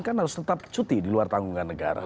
kan harus tetap cuti di luar tanggungan negara